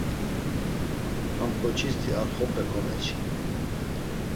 Ham ǩoçisti ar xop̌e komeçi.